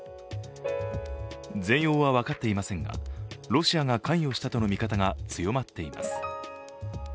全容は分かっていませんが、ロシアが関与したとの見方が強まっています。